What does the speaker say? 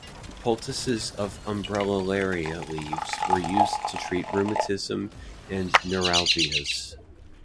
Poultices of "Umbellularia" leaves were used to treat rheumatism and neuralgias.